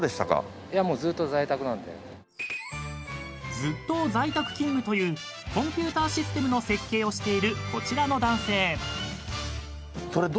［ずっと在宅勤務というコンピューターシステムの設計をしているこちらの男性］